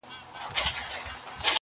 د سترگو تور مي د ايستو لائق دي~